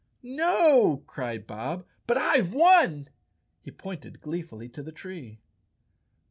"No," cried Bob, "but I've won!" He pointed glee¬ fully to the tree.